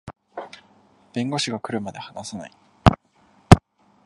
弁護士が来るまで話さない